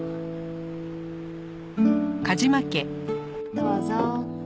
どうぞ。